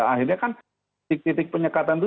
akhirnya kan titik titik penyekatan itu